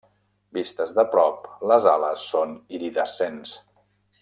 Vistes de prop, les ales són iridescents.